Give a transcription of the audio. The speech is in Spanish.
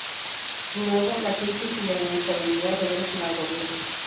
De nuevo, la crisis y la inestabilidad regresan al gobierno.